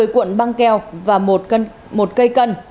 một mươi cuộn băng keo và một cây cân